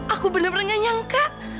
aku benar benar nyangka